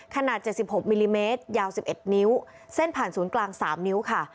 ขนาด๗๖มิลลิเมตรยาว๑๑นิ้วเส้นผ่านศูนย์กลาง๓นิ้วค่ะ